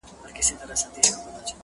چي در معلوم شي د درمن زړګي حالونه!.